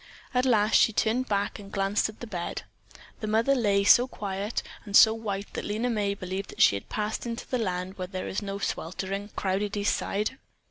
At last she turned back and glanced at the bed. The mother lay so quiet and so white that Lena May believed that she had passed into the land where there is no sweltering, crowded East Side.